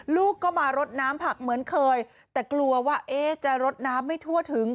ลูกก็มารดน้ำผักเหมือนเคยแต่กลัวว่าเอ๊ะจะรดน้ำไม่ทั่วถึง